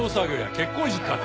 結婚式かて。